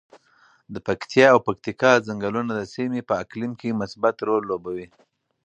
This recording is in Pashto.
د پکتیا او پکتیکا ځنګلونه د سیمې په اقلیم کې مثبت رول لوبوي.